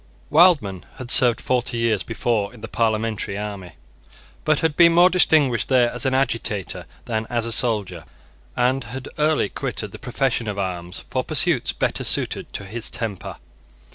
Wildman had served forty years before in the parliamentary army, but had been more distinguished there as an agitator than as a soldier, and had early quitted the profession of arms for pursuits better suited to his temper.